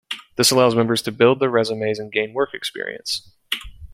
This allows members to build their resumes and gain work experience.